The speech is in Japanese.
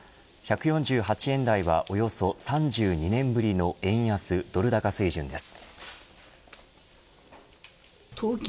１４８円台はおよそ３２年ぶりの円安ドル高水準です。